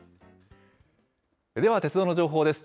では、鉄道の情報です。